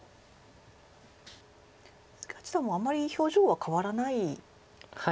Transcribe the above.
鈴木八段もあまり表情は変わらないですか。